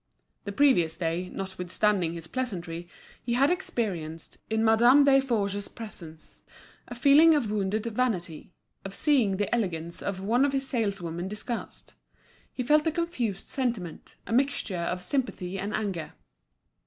The previous day, notwithstanding his pleasantry, he had experienced, in Madame Desforges's presence, a feeling of wounded vanity, on seeing the elegance of one of his saleswomen discussed. He felt a confused sentiment, a mixture of sympathy and anger.